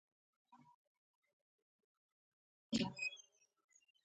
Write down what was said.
د ننګرهار په بټي کوټ کې د څه شي نښې دي؟